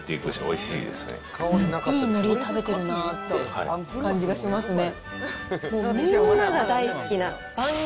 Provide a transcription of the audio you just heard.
いいのり食べてるなあって感じがしますね。